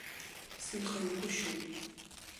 Сынхаҩгәышьоуп.